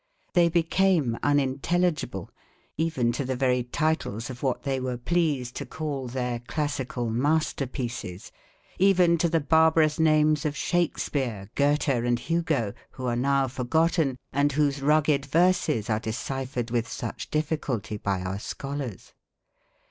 They became unintelligible, even to the very titles of what they were pleased to call their classical masterpieces, even to the barbarous names of Shakespeare, Goethe, and Hugo, who are now forgotten, and whose rugged verses are deciphered with such difficulty by our scholars.